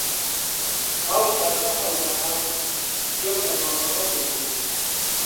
تاو تازە هەڵدەهات گوێم لە غەڵبەغەڵبێک بوو